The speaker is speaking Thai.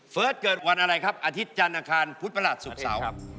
เกิดวันอะไรครับอาทิตย์จันทร์อาคารพุธประหลัดศุกร์เสาร์